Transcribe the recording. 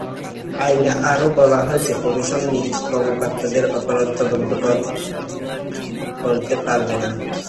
আইনে আরও বলা হয়েছে, কমিশন নিজ কর্মকর্তাদের অপরাধ তদন্ত করতে পারবে না।